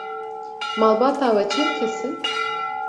Malbata we çend kes in?